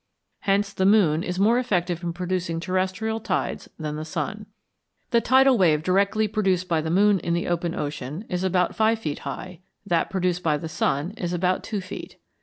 Hence the moon is more effective in producing terrestrial tides than the sun. The tidal wave directly produced by the moon in the open ocean is about 5 feet high, that produced by the sun is about 2 feet.